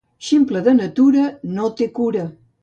Ximple de natura, no té cura.